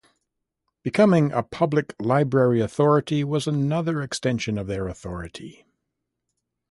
Becoming a public library authority was another extension of their authority.